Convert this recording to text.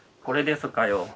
これですかよ。